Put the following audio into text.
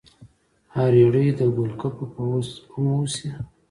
ها ریړۍ د ګول ګپو به اوس هم اوسي؟